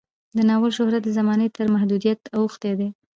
د ناول شهرت د زمانې تر محدودیت اوښتی دی.